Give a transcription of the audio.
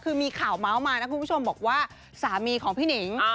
คือมีข่าวเมาส์มานะคุณผู้ชมบอกว่าสามีของพี่หนิง